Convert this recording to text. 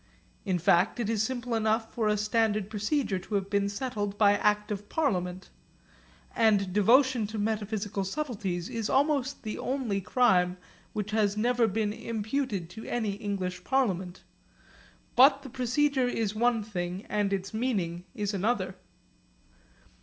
In fact it is simple enough for a standard procedure to have been settled by act of parliament; and devotion to metaphysical subtleties is almost the only crime which has never been imputed to any English parliament. But the procedure is one thing and its meaning is another.